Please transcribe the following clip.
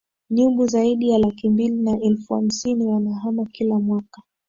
nyumbu zaidi ya laki mbili na elfu hamsini wanahama kila mwaka